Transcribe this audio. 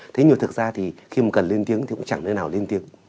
thế nhưng thực ra thì khi mà cần lên tiếng thì cũng chẳng nơi nào lên tiếng